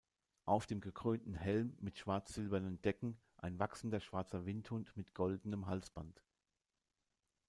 Auf dem gekrönten Helm mit schwarz-silbernen Decken ein wachsender schwarzer Windhund mit goldenem Halsband.